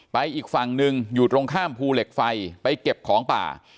อีกฝั่งหนึ่งอยู่ตรงข้ามภูเหล็กไฟไปเก็บของป่า